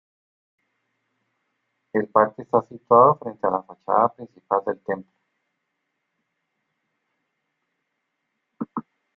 El parque está situado frente a la fachada principal del templo.